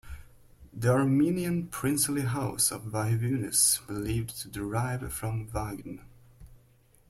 The Armenian princely house of Vahevunis believed to derive from Vahagn.